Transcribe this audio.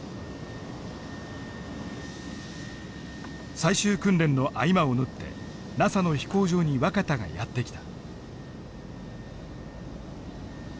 最終訓練の合間を縫ってＮＡＳＡの飛行場に若田がやって来た。